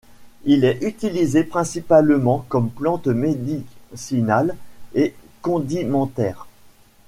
Il est utilisé principalement comme plante médicinale et condimentaire.